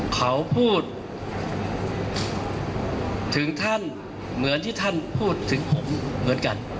เขาพูดถึงท่านเหมือนที่ท่านพูดถึงผมเหมือนกัน